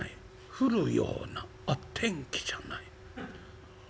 降るようなあっ天気じゃない。